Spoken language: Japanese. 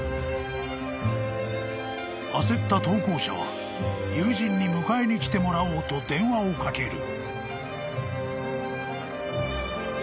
［焦った投稿者は友人に迎えに来てもらおうと電話をかける］